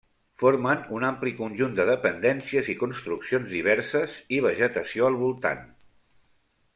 Formen un ampli conjunt de dependències i construccions diverses i vegetació al voltant.